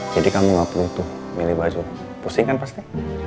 jadi kamu gak perlu tuh milih baju pusingan pasti